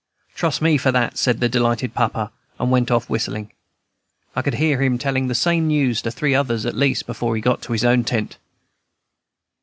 "Trust me for that," said the delighted papa, and went off whistling. I could hear him telling the same news to three others, at least, before he got to his own tent.